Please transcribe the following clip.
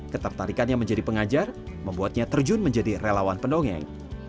ketertarikannya menjadi pengajar membuatnya terjun menjadi relawan pendongeng